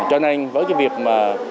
cho nên với cái việc mà